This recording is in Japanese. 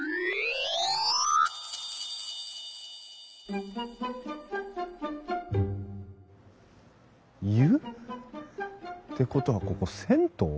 うん？湯？ってことはここ銭湯？